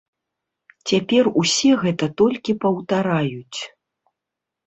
Цяпер усе гэта толькі паўтараюць.